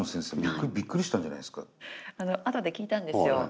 あとで聞いたんですよ。